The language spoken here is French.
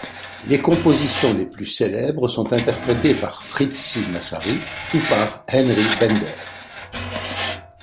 Les compositions les plus célèbres sont interprétées par Fritzi Massary ou par Henry Bender.